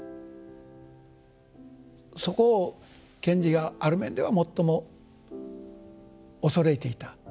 そこを賢治がある面では最も恐れていた。